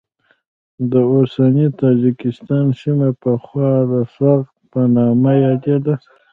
د اوسني تاجکستان سیمه پخوا د سغد په نامه یادېده.